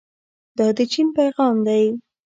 دا د چین پیغام دی.